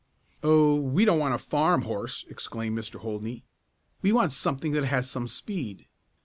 "Oh, we don't want a farm horse!" exclaimed Mr. Holdney. "We want something that has some speed."